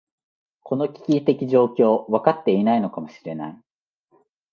この危機的状況、分かっていないのかもしれない。